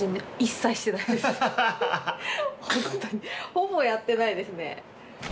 ほぼやってないですね。